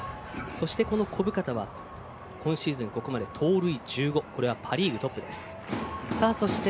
そして、小深田は今シーズン盗塁１５パ・リーグトップです。